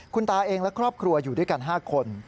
คุณตาเองและครอบครัวอยู่ด้วยกัน๕คน